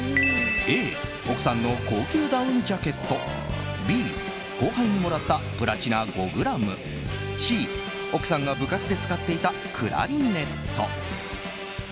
Ａ、奥さんの高級ダウンジャケットＢ、後輩にもらったプラチナ５ｇＣ、奥さんが部活で使っていたクラリネット。